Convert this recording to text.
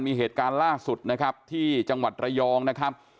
มีเหตุการณ์ล่าสุดนะครับที่จังหวัดระยองนะครับ